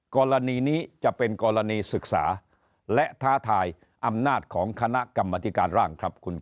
กรณีนี้จะเป็นกรณีศึกษาและท้าทายอำนาจของคณะกรรมธิการร่างครับ